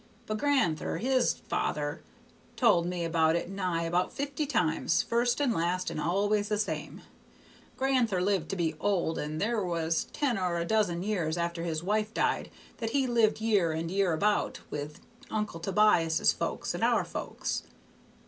But gran'ther, his father, told me about it nigh upon fifty times, first and last, and always the same way. Gran'ther lived to be old, and there was ten or a dozen years after his wife died that he lived year and year about with Uncle Tobias's folks and our folks.